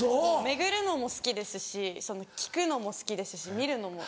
巡るのも好きですし聞くのも好きですし見るのも。